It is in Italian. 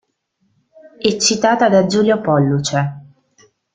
È citata da Giulio Polluce.